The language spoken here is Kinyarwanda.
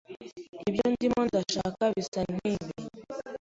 Ibyo ndimo ndashaka bisa nkibi.